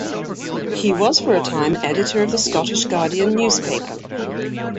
He was for a time editor of the "Scottish Guardian" newspaper.